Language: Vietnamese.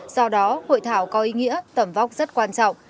do đó hội thảo có ý nghĩa tầm vóc rất quan trọng